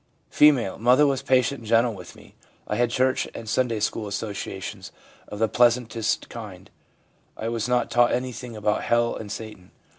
F. ' Mother was patient and gentle with me. I had church and Sunday school associations of the pleasantest kind ; I was not taught anything about hell and Satan.